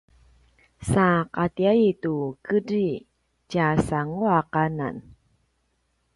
sa qatiyai tu kedri tjasanguaq anan